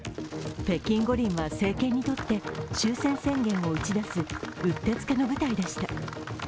北京五輪は政権にとって終戦宣言を打ち出すうってつけの舞台でした。